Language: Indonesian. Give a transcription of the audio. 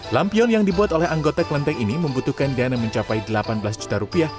lampion yang dibuat oleh anggota klenteng ini membutuhkan dana mencapai delapan belas juta rupiah